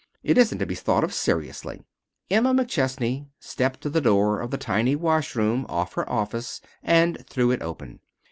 It isn't to be thought of seriously " Emma McChesney stepped to the door of the tiny wash room off her office and threw it open.